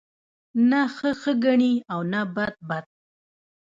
نه ښه ښه گڼي او نه بد بد